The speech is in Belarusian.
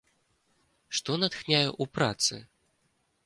Што натхняе ў працы?